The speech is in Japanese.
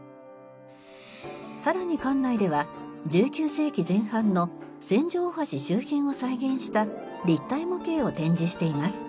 さらに館内では１９世紀前半の千住大橋周辺を再現した立体模型を展示しています。